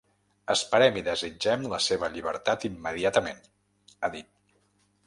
Esperem i desitgem la seva llibertat immediatament, ha dit.